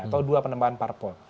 atau dua penemuan parpol